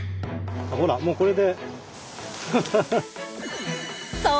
ほらもうこれで。